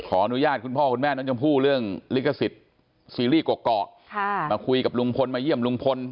ขออนุญาตคุณพ่อคุณแม่น้องชมพู่เรื่องลิขสิทธิ์ซีรีส์เกาะมาคุยกับลุงพลมาเยี่ยมลุงพล